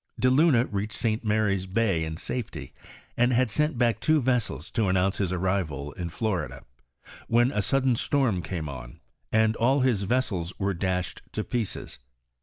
De Luna reached St. Mary's bay in safety, and had sent back two vessels to announce his arrival in Florida, when a sudden storm came on, and all his vessels were dashed to pieces.